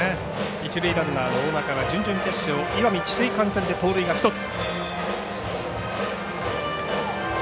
一塁ランナーの大仲が準々決勝石見智翠館で盗塁が１つ。